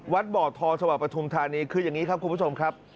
วัดบอททสวัสดิ์ประทุมธานีคืออย่างนี้ครับคุณผู้ชมครับ